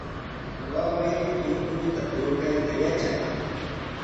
Wawqiimi pinkulluta tukayta yatran.